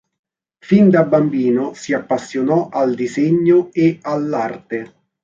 Fin da bambino si appassionò al disegno e all'arte.